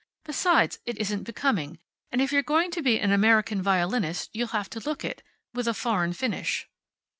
Besides, it isn't becoming. And if you're going to be an American violinist you'll have to look it with a foreign finish."